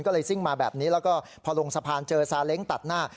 ก็เลยซิ่งมาแบบนี้แล้วก็พอลงสะพานเจอซาเล้งตัดหน้า